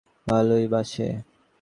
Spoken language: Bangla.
ভয় নেই রে, তোর মাসি তোকে ভালোই বাসে।